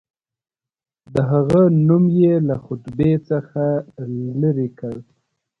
د هغه نوم یې له خطبې څخه لیري کړ.